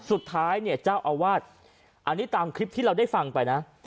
สุดท้ายเนี่ยเจ้าอาวาสอันนี้ตามคลิปที่เราได้ฟังไปนะ